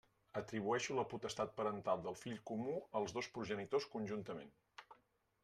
Atribueixo la potestat parental del fill comú als dos progenitors conjuntament.